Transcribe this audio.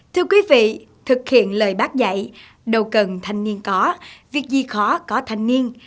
thưa quý vị thực hiện lời bác dạy đâu cần thanh niên có việc gì khó có thanh niên